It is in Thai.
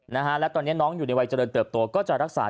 นะฮะและตอนนี้น้องอยู่ในวัยเจริญเติบโตก็จะรักษา